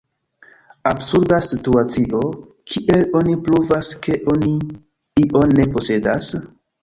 Absurda situacio: kiel oni pruvas, ke oni ion ne posedas?